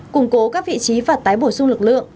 củng cố các vị trí và tái bổ sung lực lượng